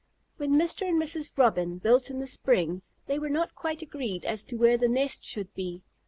When Mr. and Mrs. Robin built in the spring, they were not quite agreed as to where the nest should be.